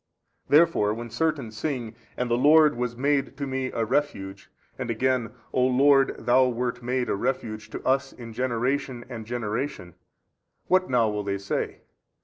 A. Therefore when certain sing, And the Lord WAS MADE to me a refuge, and again, O Lord, Thou WERT MADE a refuge, to us in generation and generation, what now will they say 1?